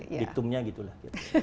diktumnya gitu lah